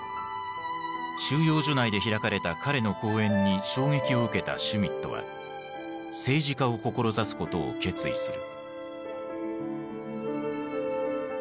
収容所内で開かれた彼の講演に衝撃を受けたシュミットは政治家を志すことを決意する。